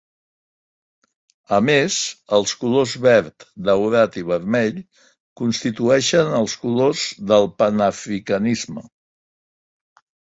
A més, els colors verd, daurat i vermell constitueixen els colors del panafricanisme.